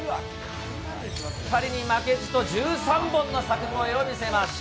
２人に負けじと１３本の柵越えを見せました。